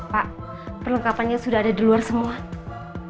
pak perlengkapannya sudah ada di luar semua